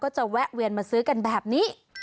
จะแวะเวียนมาซื้อกันแบบนี้